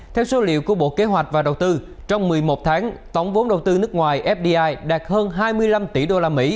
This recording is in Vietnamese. theo số liệu của bộ kế hoạch và đầu tư trong một mươi một tháng tổng vốn đầu tư nước ngoài fdi đạt hơn hai mươi năm tỷ usd